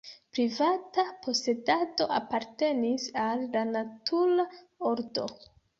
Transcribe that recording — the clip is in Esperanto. Privata posedado apartenis al la natura ordo.